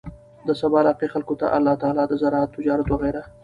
د سبا علاقې خلکو ته الله تعالی د زراعت، تجارت وغيره